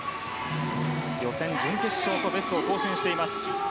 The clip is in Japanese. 予選、準決勝とベストを更新しています。